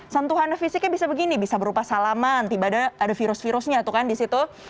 sentuhan fisiknya bisa begini bisa berupa salaman tiba tiba ada virus virusnya tuh kan di situ